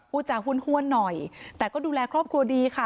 พูดจาห้วนหน่อยแต่ก็ดูแลครอบครัวดีค่ะ